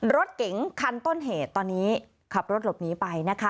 รถเก๋งคันต้นเหตุตอนนี้ขับรถหลบหนีไปนะคะ